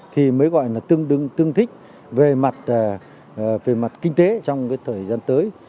thì mới gọi là tương thích về mặt kinh tế trong thời gian tới